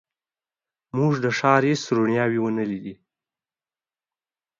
موږ د ښار هېڅ رڼاوې ونه لیدلې.